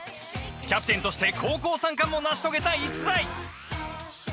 キャプテンとして高校３冠も成し遂げた逸材。